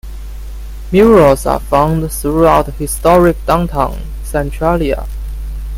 Murals are found throughout historic downtown Centralia.